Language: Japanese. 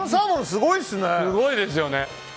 すごいですよね。